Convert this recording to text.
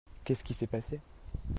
Qu'est-ce qui s'est passé ?